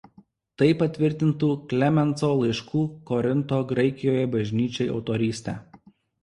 Tai patvirtintų Klemenso laiškų Korinto Graikijoje bažnyčiai autorystę.